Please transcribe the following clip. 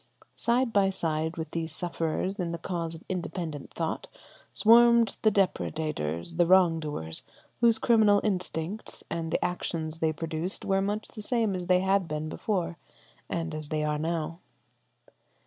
Side by side with these sufferers in the cause of independent thought swarmed the depredators, the wrong doers, whose criminal instincts and the actions they produced were much the same as they had been before and as they are now.